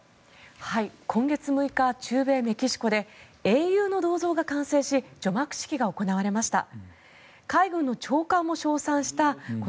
今月６日中米メキシコで英雄の銅像が完成し除幕式が行われました。